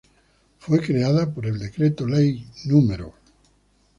Fue creada por el Decreto Ley No.